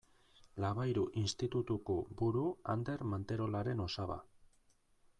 Labayru Institutuko buru Ander Manterolaren osaba.